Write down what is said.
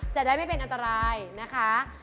จะได้ไม่เป็นอันตรายนะคะ